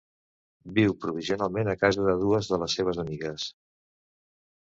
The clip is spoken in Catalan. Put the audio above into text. Viu provisionalment a casa de dues de les seves amigues.